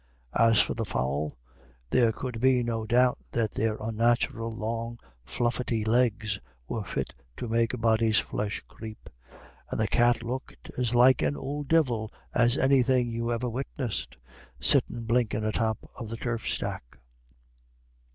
As for the fowl, there could be no doubt that their "onnathural, long, fluffety legs were fit to make a body's flesh creep," and the cat looked "as like an ould divil as anythin' you ever witnessed, sittin' blinkin' atop of the turf stack."